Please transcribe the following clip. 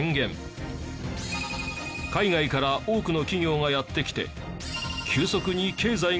海外から多くの企業がやって来て。